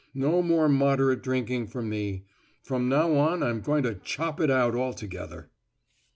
No more moderate drinking for me. From now on I'm going to chop it out altogether."